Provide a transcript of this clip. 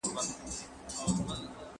هغه هیواد چي ته پکي یې نېکمرغه دی.